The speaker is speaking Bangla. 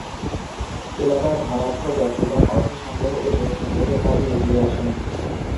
এলাকার ধনাঢ্য ব্যক্তিগণ অর্থ সংগ্রহ ও জমি সংগ্রহের কাজে এগিয়ে আসেন।